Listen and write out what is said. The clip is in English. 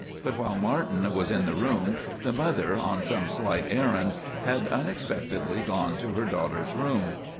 But while Martin was in the room the mother, on some slight errand, had unexpectedly gone to her daughter's room.